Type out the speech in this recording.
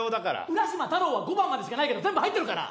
「浦島太郎」は５番までしかないけど全部入ってるから。